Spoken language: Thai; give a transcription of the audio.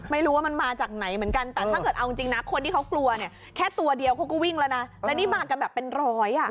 ไม่รู้ว่ามันมาจากไหนเหมือนกันแต่ถ้าเกิดเอาจริงนะคนที่เขากลัวเนี่ยแค่ตัวเดียวเขาก็วิ่งแล้วนะแล้วนี่มากันแบบเป็นร้อยอ่ะ